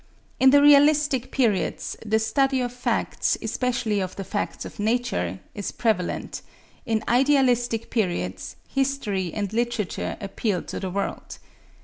In the realistic periods, the study of facts, especially of the facts of nature, is prevalent; in idealistic periods, history and literature appeal to the world.